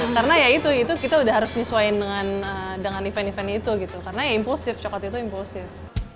karena ya itu kita udah harus nyesuaiin dengan event event itu gitu karena ya impulsif coklat itu impulsif